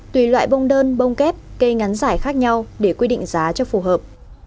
tùy loại bông đơn kép cây ngắn giải khác nhau để quy định giá cho phù hợp